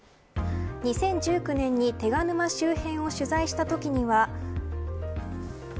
２０１９年に手賀沼周辺を取材したときには。